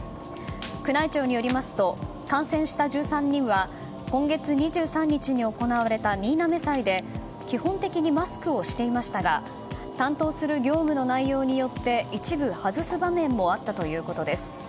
宮内庁によりますと感染した１３人は今月２３日に行われた新嘗祭で基本的にマスクをしていましたが担当する業務の内容によって一部、外す場面もあったということです。